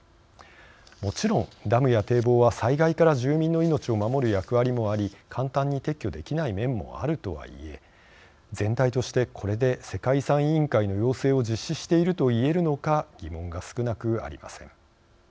もちろん、ダムや堤防は災害から住民の命を守る役割もあり簡単に撤去できない面もあるとはいえ、全体としてこれで世界遺産委員会の要請を実施しているといえるのか疑問が少なくありません。